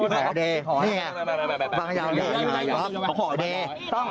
นี่ไงพางท่าเยาะพ่ออโดย